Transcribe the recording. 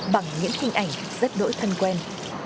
bằng những hình ảnh rất đổi thân quen